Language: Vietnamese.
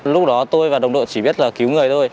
lúc đó tôi và đồng đội chỉ biết là cứu người thôi